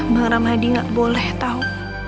bang ramadi nggak boleh tahu